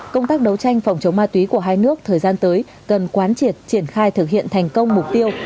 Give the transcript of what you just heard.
công tác đấu tranh phòng chống ma túy của hai nước thời gian tới cần quán triệt triển khai thực hiện thành công mục tiêu